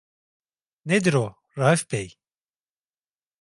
Nedir o, Raif bey?